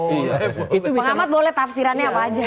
oh pak ahmad boleh tafsirannya apa aja